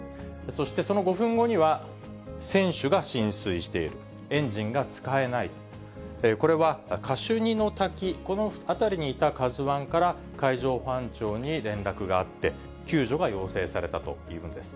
そして、その５分後には、船首が浸水している、エンジンが使えないと、これはカシュニの滝、この辺りにいたカズワンから、海上保安庁に連絡があって、救助が要請されたというんです。